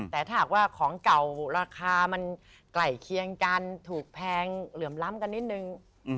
แต่ถ้าหากว่าของเก่าราคามันไกลเคียงกันถูกแพงเหลื่อมล้ำกันนิดนึง